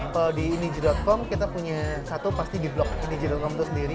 kalau di inij com kita punya satu pasti di blog inij com itu sendiri